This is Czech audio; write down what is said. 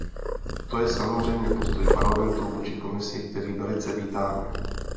To je samozřejmě postoj Parlamentu vůči Komisi, který velice vítáme.